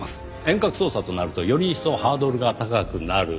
遠隔操作となるとより一層ハードルが高くなる。